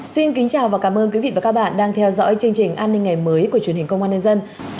xin kính chào và cảm ơn quý vị và các bạn đang theo dõi chương trình an ninh ngày mới của truyền hình công an nhân dân